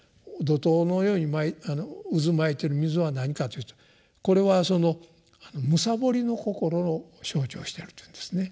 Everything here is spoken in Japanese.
怒とうのように渦巻いてる水は何かというとこれはその貪りの心を象徴しているというんですね。